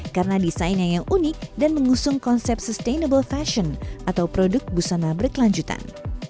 karena desainnya yang unik dan mengusung konsep sustainable fashion atau produk busana berkelanjutan